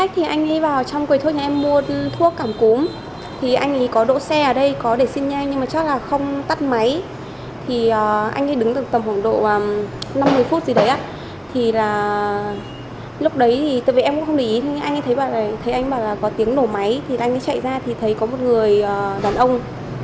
từ về em cũng không để ý nhưng anh ấy thấy anh bảo là có tiếng nổ máy thì anh ấy chạy ra thì thấy có một người đàn ông